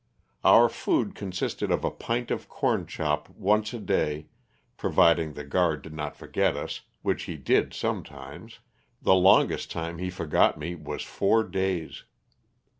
Our food consisted of a pint of corn chop once a day, providing the guard did not forget us, which he did sometimes. The longest time he forgot me was four days.